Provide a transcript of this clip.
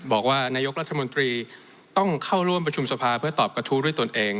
บอกว่านายกรัฐมนตรีต้องเข้าร่วมประชุมสภาเพื่อตอบกระทู้ด้วยตนเอง